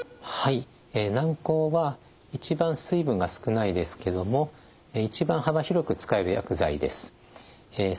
軟こうは一番水分が少ないですけども一番幅広く使える薬剤です。